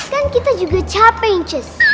kan kita juga capek